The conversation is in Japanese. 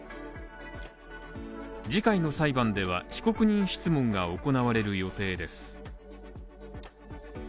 次回の裁判では、被告人質問が行われる予定です。